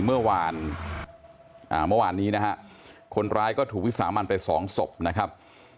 เมื่อวานนี้นะฮะคนร้ายก็ถูกวิสามันไปสองศพนะครับ